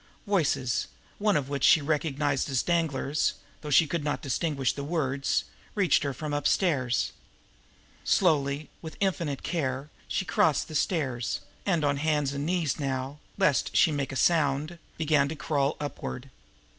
Voices, one of which she recognized as Danglar's, though she could not distinguish the words, reached her from upstairs. Slowly, with infinite care, she crossed to the stairs, and on hands and knees now, lest she should make a sound, began to crawl upward.